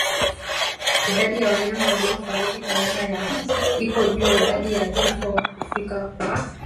Idadi ya wanyama wanaofariki baada ya kuambukizwa iko juu Idadi ya vifo hufika kwa